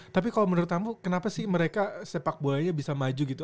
tapi kalau menurut kamu kenapa sih mereka sepak bolanya bisa maju gitu